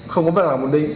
không có việc làm một đêm